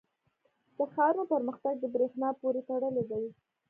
• د ښارونو پرمختګ د برېښنا پورې تړلی دی.